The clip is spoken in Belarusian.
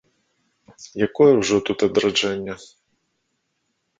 Якое ўжо тут адраджэнне.